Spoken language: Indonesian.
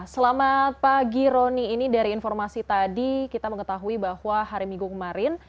selamat pagi roni ini dari informasi tadi kita mengetahui bahwa hari minggu kemarin